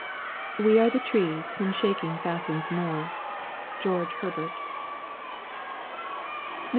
"We are the trees whom shaking fastens more." GEORGE HERBERT. Mr.